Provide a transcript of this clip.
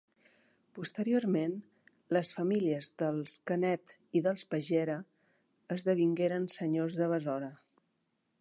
Posteriorment, les famílies dels Canet i dels Peguera esdevingueren senyors de Besora.